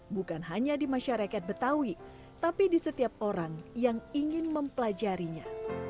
bukan hanya di masyarakat betawi tapi di setiap orang yang ingin mempelajarinya